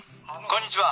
こんにちは。